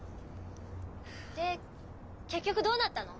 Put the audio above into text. で結局どうなったの？